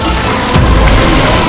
kau akan menang